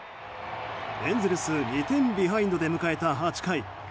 エンゼルス２点ビハインドで迎えた８回。